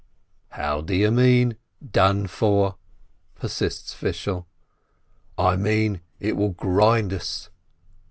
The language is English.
"How do you mean, done for?" persists Fishel. "I mean, it will grind us."